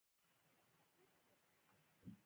یاره مهربانه راسه